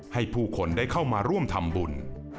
ให้ผู้คนได้เข้ามาร่วมทำบุญ